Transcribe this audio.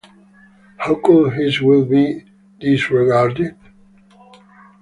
How could his will be disregarded?